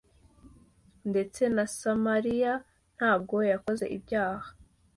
ndetse na samariya ntabwo yakoze ibyaha